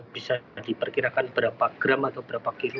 bisa diperkirakan berapa gram atau berapa kiv